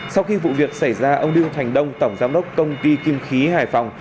sau khi vụ việc xảy ra ông đinh thành đông tổng giám đốc công ty kim khí hải phòng